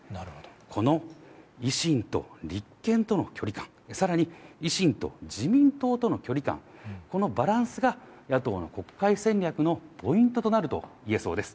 この維新と立憲との距離感、さらに維新と自民党との距離感、このバランスが、野党の国会戦略のポイントととなるといえそうです。